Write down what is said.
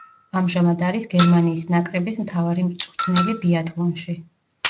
ამჟამად არის გერმანიის ნაკრების მთავარი მწვრთნელი ბიატლონში.